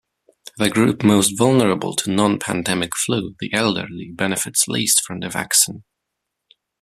The group most vulnerable to non-pandemic flu, the elderly, benefits least from the vaccine.